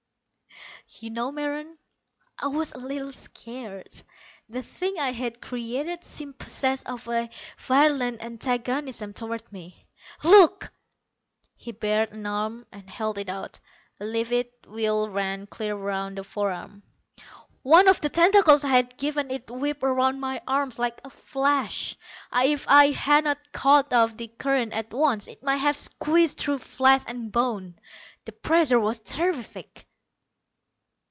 "You know, Meron, I was a little scared. The thing I had created seemed possessed of a virulent antagonism toward me. Look." He bared an arm and held it out. A livid weal ran clear around the fore arm. "One of the tentacles I had given it whipped around my arm like a flash. If I had not cut off the current at once it might have squeezed through flesh and bone. The pressure was terrific."